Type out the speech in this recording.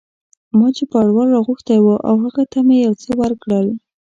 ما چوپړوال را غوښتی و او هغه ته مې یو څه ورکړل.